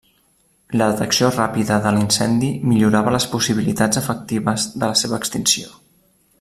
La detecció ràpida de l'incendi millorava les possibilitats efectives de la seva extinció.